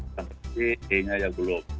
a sampai e nya ya belum